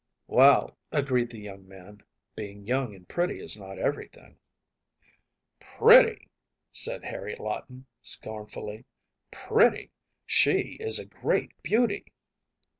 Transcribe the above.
‚ÄĚ ‚ÄúWell,‚ÄĚ agreed the young man, “being young and pretty is not everything.‚ÄĚ ‚ÄúPretty!‚ÄĚ said Harry Lawton, scornfully, “pretty! She is a great beauty.